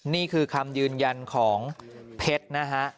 นี่คือคำยืนยันของเพชรนะฮะ